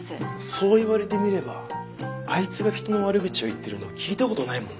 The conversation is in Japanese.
そう言われてみればあいつが人の悪口を言ってるのを聞いたことないもんな。